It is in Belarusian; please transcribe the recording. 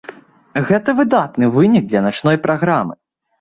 Гэта выдатны вынік для начной праграмы.